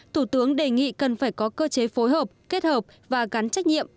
thủ tướng đề nghị cần phải có cơ chế phối hợp kết hợp và gắn trách nhiệm